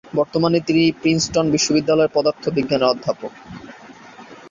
বর্তমানে তিনি প্রিন্সটন বিশ্ববিদ্যালয়ের পদার্থবিজ্ঞানের অধ্যাপক।